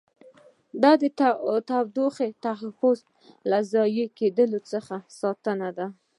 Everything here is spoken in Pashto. د تودوخې تحفظ له ضایع کېدو څخه ساتنه ده.